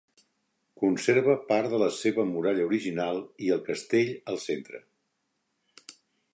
Conserva part de la seva muralla original i el castell al centre.